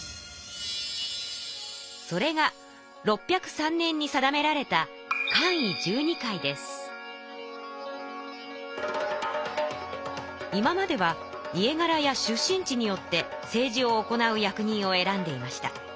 それが６０３年に定められた今までは家柄や出身地によって政治を行う役人を選んでいました。